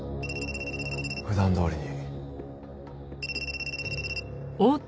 普段どおりに。